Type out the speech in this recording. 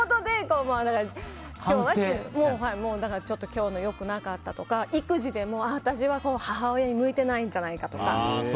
今日の良くなかったとか育児でも、私は母親に向いてないんじゃないかとか。